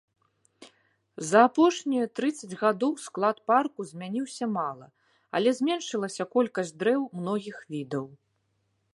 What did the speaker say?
За апошнія трыццаць гадоў склад парку змяніўся мала, але зменшылася колькасць дрэў многіх відаў.